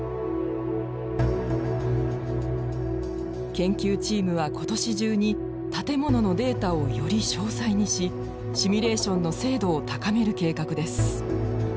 研究チームは今年中に建物のデータをより詳細にしシミュレーションの精度を高める計画です。